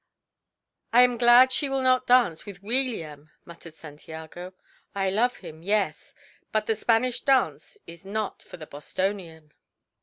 "I am glad she will not dance with Weeliam," muttered Santiago. "I love him yes; but the Spanish dance is not for the Bostonian."